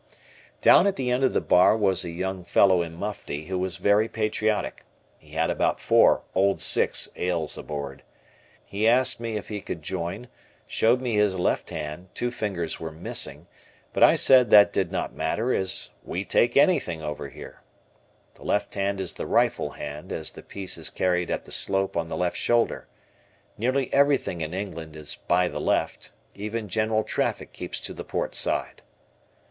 Down at the end of the bar was a young fellow in mufti who was very patriotic he had about four "Old Six" ales aboard. He asked me if he could join, showed me his left hand, two fingers were missing, but I said that did not matter as "we take anything over here." The left hand is the rifle hand as the piece is carried at the slope on the left shoulder. Nearly everything in England is "by the left," even general traffic keeps to the port side.